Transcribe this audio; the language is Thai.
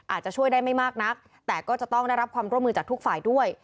อาจจะช่วยได้ไม่มากนักแต่ก็จะต้องได้รับความร่วมมือจากทุกฝ่ายด้วย